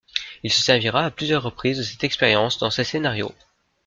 Il se servira à plusieurs reprises de cette expérience dans ses scénarios.